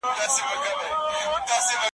ښځه یم، کمزورې نه یم`